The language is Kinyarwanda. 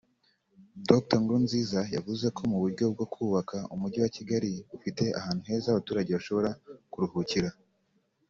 Dr Nkurunziza yavuze ko mu buryo bwo kubaka Umujyi wa Kigali ufite ahantu heza abaturage bashobora kuruhukira